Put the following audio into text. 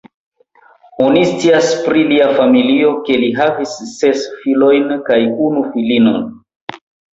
Oni scias pri lia familio, ke li havis ses filojn kaj unu filinon.